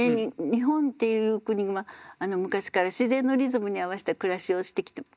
日本っていう国は昔から自然のリズムに合わせた暮らしをしてきました。